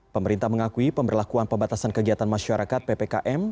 pemerintah mengakui pemberlakuan pembatasan kegiatan masyarakat ppkm